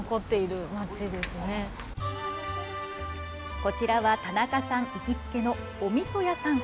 こちらは、たなかさん行きつけのおみそ屋さん。